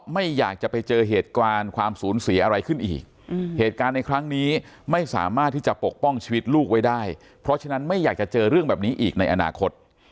ไม่สามารถที่จะปกป้องชีวิตลูกไว้ได้เพราะฉะนั้นไม่อยากจะเจอเรื่องแบบนี้อีกในอนาคต